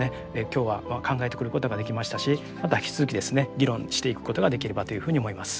今日は考えてくることができましたしまた引き続きですね議論していくことができればというふうに思います。